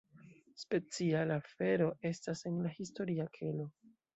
Speciala afero estas en la historia kelo.